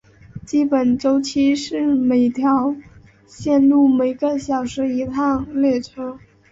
基本周期是每条线路每个小时一趟列车。